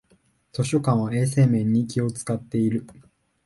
図書館は衛生面に気をつかっている